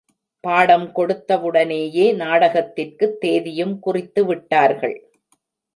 பாடம் கொடுத்தவுடனேயே நாடகத்திற்குத் தேதியும் குறித்து விட்டார்கள்.